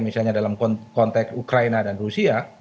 misalnya dalam konteks ukraina dan rusia